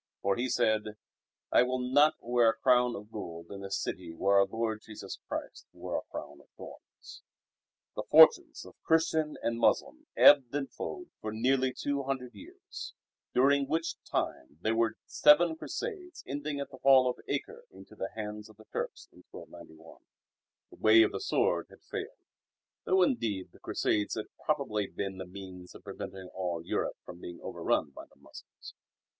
For, he said, "I will not wear a crown of gold in the city where Our Lord Jesus Christ wore a crown of thorns." The fortunes of Christian and Moslem ebbed and flowed for nearly two hundred years, during which time there were seven Crusades ending at the fall of Acre into the hands of the Turks in 1291. The way of the sword had failed, though indeed the Crusades had probably been the means of preventing all Europe from being overrun by the Moslems.